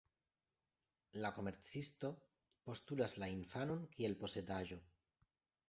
La komercisto postulas la infanon kiel posedaĵo.